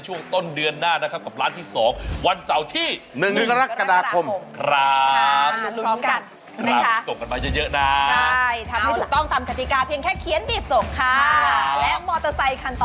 หมอเตอร์ไซคันก็ได้แต่เพิ่งแจกไป๓๐